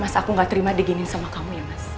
mas aku gak terima diginiin sama kamu